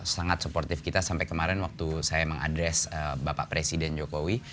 sangat supportif kita sampai kemarin waktu saya mengadres bapak presiden jokowi